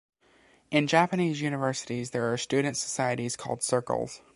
In Japanese universities, there are student societies called "circles".